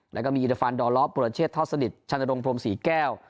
แล้วก็มีอิทฟันดอลล้อปุรเชษทอดสนิทชานรงพรมศรีแก้ว